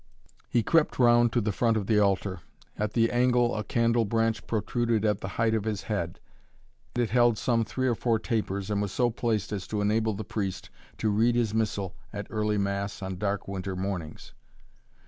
He crept round to the front of the altar. At the angle a candle branch protruded at the height of his head. It held some three or four tapers and was so placed as to enable the priest to read his missal at early Mass on dark winter mornings.